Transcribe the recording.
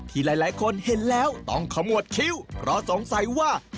ที่หลายคนเห็นแล้วต้องขมวดคิว